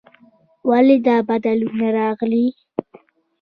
ولې دا بدلون راغلی؟